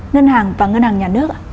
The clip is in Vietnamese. ngân hàng và ngân hàng nhà nước